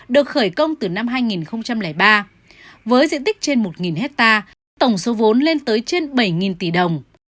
được khởi công từ năm hai nghìn ba với diện tích trên một hectare tổng số vốn lên tới trên bảy tỷ đồng